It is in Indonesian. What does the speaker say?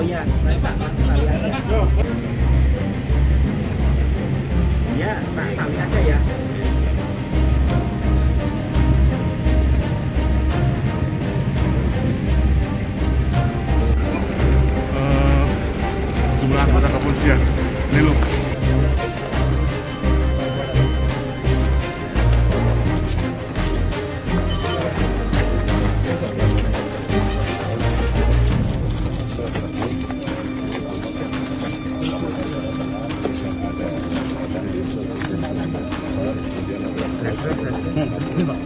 jumlah kota kapolusia